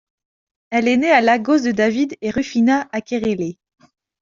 Elle est née à Lagos de David et Rufina Akerele.